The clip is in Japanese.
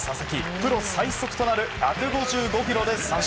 プロ最速となる１５５キロで三振。